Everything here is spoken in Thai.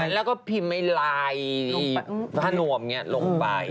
แล้วก็พิมพ์ไอ้ลายผ้านวมลงไป